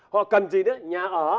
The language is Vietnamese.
họ cần gì nữa nhà ở